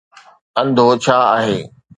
انڌو ڇا آهي؟